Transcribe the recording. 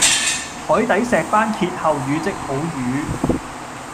海底石班謁後語即好瘀